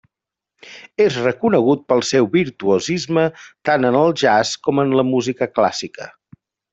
És reconegut pel seu virtuosisme tant en el jazz com en la música clàssica.